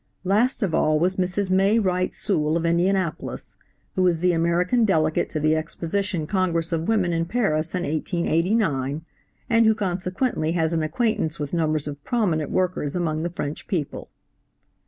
Last of all was Mrs. May Wright Sewell of Indianapolis, who was the American delegate to the Exposition Congress of Women in Paris in 1889, and who consequently has an acquaintance with numbers of prominent workers among the French people.